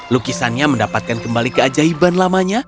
lukisannya mendapatkan kembali keajaiban lamanya